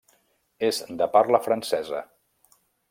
És de parla francesa.